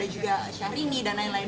juga syahrini dan lain lain